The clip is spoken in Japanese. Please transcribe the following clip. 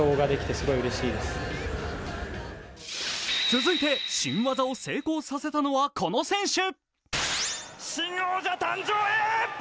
続いて新技を成功させたのはこの選手。